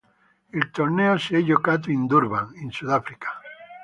Il torneo si è giocato a Durban in Sudafrica.